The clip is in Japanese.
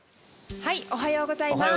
おはようございます。